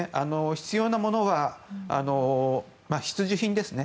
必要なものは必需品ですね